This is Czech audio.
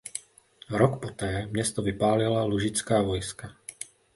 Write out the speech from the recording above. Rok poté město vypálila lužická vojska.